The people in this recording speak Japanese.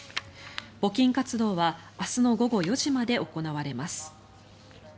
募金活動は明日の午後４時まで行われます。